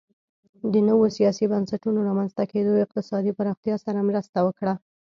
د نویو سیاسي بنسټونو رامنځته کېدو اقتصادي پراختیا سره مرسته وکړه